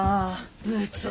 ブーツ。